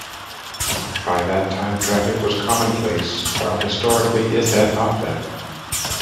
By that time, traffic was commonplace while historically it had not been.